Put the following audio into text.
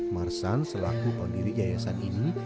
marsan selaku pendiri yayasan ini